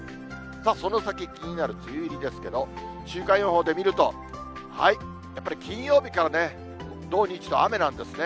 さあ、その先、気になる梅雨入りですけど、週間予報で見ると、やっぱり金曜日からね、土日と雨なんですね。